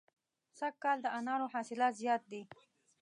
سږ کال د انارو حاصلات زیات دي.